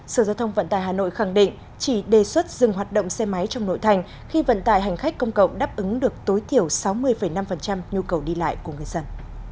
sở giao thông vận tài hà nội khẳng định chỉ đề xuất dừng hoạt động xe máy trong nội thành khi vận tải hành khách công cộng đáp ứng được tối thiểu sáu mươi năm nhu cầu đi lại của người dân